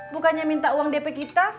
bukannya minta uang dp kita